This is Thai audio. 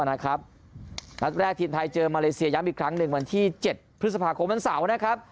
นัดแรกทีมไทยเจอมาเลเซียย้ำอีกครั้งหนึ่งวันที่๗พฤษภาคมวันเสาร์นะครับ